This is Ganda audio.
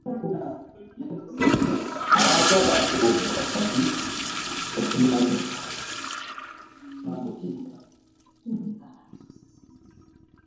Abaagala okukola kati bakimanyi.